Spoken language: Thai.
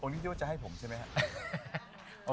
องค์นี้ยูจะให้ผมใช่มั้ยฮะ